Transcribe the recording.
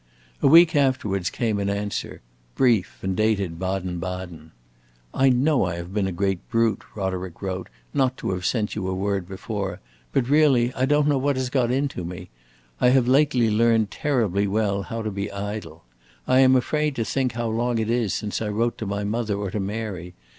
A week afterwards came an answer brief, and dated Baden Baden. "I know I have been a great brute," Roderick wrote, "not to have sent you a word before; but really I don't know what has got into me. I have lately learned terribly well how to be idle. I am afraid to think how long it is since I wrote to my mother or to Mary.